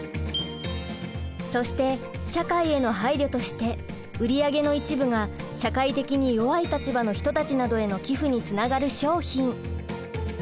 そして社会への配慮として売り上げの一部が社会的に弱い立場の人たちなどへの寄付につながる商品。